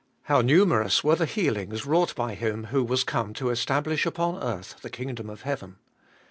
How numerous were the healings wrought bj Him who was come to establish upon earth the kingdom of heaven!